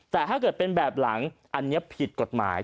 แต่ถ้าเกิดเป็นแบบหลังอันนี้ผิดกฎหมาย